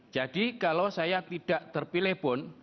jadi kalau saya tidak terpilih pun